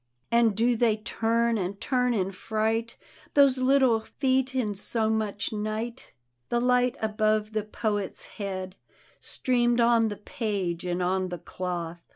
And do they turn and turn in fright. Those little feet, in so much night? The light above the poet's head Streamed on the page and on the doth.